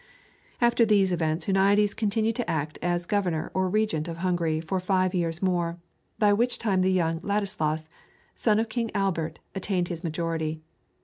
After these events Huniades continued to act as Governor or Regent of Hungary for five years more, by which time the young Ladislaus, son of King Albert, attained his majority.